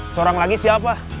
seorang lagi siapa